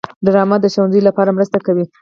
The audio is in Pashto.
ډرامه د ښوونځیو لپاره مرسته کوي